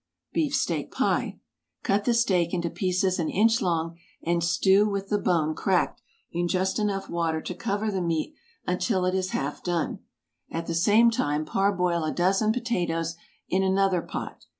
BEEF STEAK PIE. Cut the steak into pieces an inch long, and stew with the bone (cracked) in just enough water to cover the meat until it is half done. At the same time parboil a dozen potatoes in another pot.